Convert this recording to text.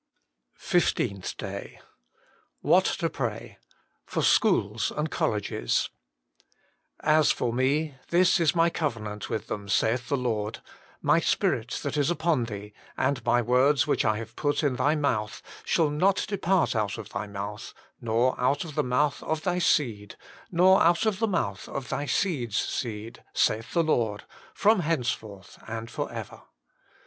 SPECIAL PETITIONS THE MINISTRY OF INTERCESSION FIFTEENTH DAY WBAT TO PRAY. Jat &cl;nols nnU (Eollcgrs "As for Me, this is My covenant with them, saith the Lord: My Spirit that is upon thee, and My words which I have put in thy mouth, shall not depart out of thy mouth, nor out of the mouth of thy seed, nor out of the mouth of thy seed s seed, saith the Lord, from henceforth and for ever."